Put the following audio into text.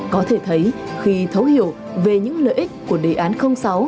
có thể thấy khi thấu hiểu về những lợi ích của đề án sáu